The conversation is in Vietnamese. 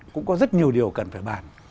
cũng có rất nhiều điều cần phải bàn